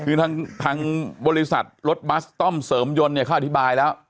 คือทางบริษัทรถบัสต้อมเสริมยนต์เนี่ยเขาอธิบายแล้ว